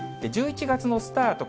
１１月のスタート